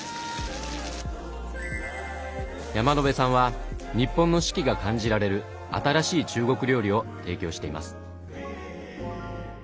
山野辺さんは日本の四季が感じられる新しい中国料理を提供しています。